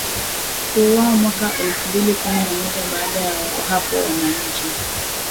kuuawa mwaka elfu mbili kumi na moja Baada ya hapo wananchi